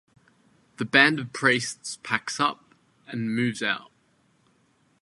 The band of priests packs up and moves out.